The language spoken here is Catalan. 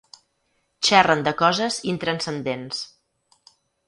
Xerren de coses intranscendents.